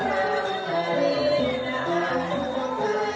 การทีลงเพลงสะดวกเพื่อความชุมภูมิของชาวไทย